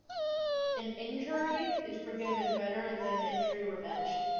An injury is forgiven better than an injury revenged.